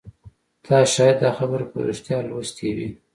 تا شاید دا خبر په ریښتیا لوستی وي